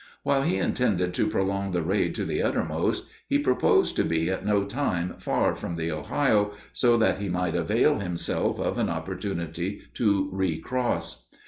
While he intended to prolong the raid to the uttermost, he proposed to be at no time far from the Ohio, so that he might avail himself of an opportunity to recross.